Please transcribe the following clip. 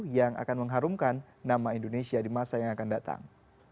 yang akan mengharumkan nama indonesia di masa yang akan datang